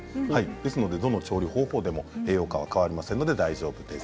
ですのでどの調理法とも栄養価は変わりませんので、大丈夫です。